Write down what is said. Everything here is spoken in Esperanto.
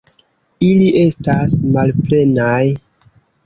Ili estas malplenaj.